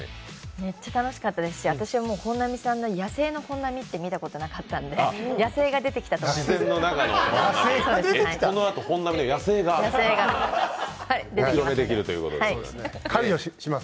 めっちゃ楽しかったですし、本並さんの野性の本並って見たことなかったので、野性が出てきたと思います